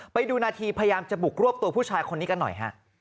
ไปดูนาทีพยายามจะบุกรวบตัวผู้ชายคนนี้กันหน่อยฮะ